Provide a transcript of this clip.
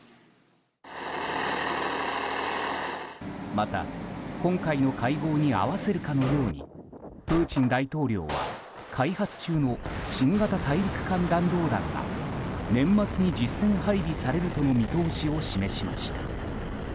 また、今回の会合に合わせるかのようにプーチン大統領は開発中の新型大陸間弾道弾が年末に実戦配備されるとの見通しを示しました。